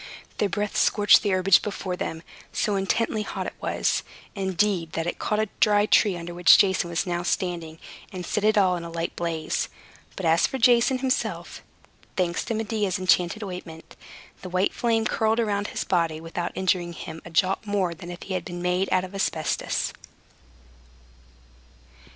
Their breath scorched the herbage before them. So intensely hot it was, indeed, that it caught a dry tree under which Jason was now standing, and set it all in a light blaze. But as for Jason himself (thanks to Medea's enchanted ointment), the white flame curled around his body, without injuring him a jot more than if he had been made of asbestos.